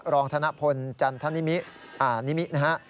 รองธนพลจันทนิมิอ่านิมินะฮะ